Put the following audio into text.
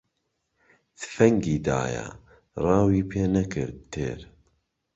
تفەنگی دایە، ڕاوی پێ نەکرد تێر